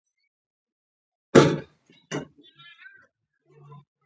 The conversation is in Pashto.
زه د کلمو املا یادوم.